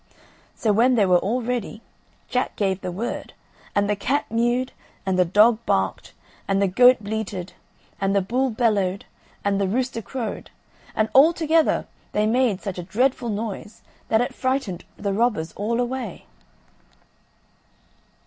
So when they were all ready Jack gave the word, and the cat mewed, and the dog barked, and the goat bleated, and the bull bellowed, and the rooster crowed, and all together they made such a dreadful noise that it frightened the robbers all away.